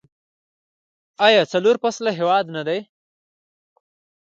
آیا څلور فصله هیواد نه دی؟